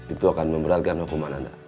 itu akan memberatkan hukuman anda